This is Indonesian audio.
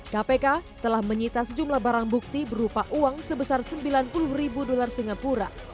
kpk telah menyita sejumlah barang bukti berupa uang sebesar sembilan puluh ribu dolar singapura